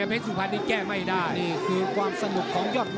กลับไปกินเยอะแล้วกันนะครับ